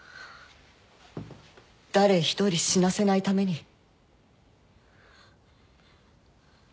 誰一人死なせないために。